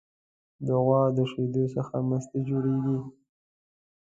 د غوا د شیدو څخه مستې جوړیږي.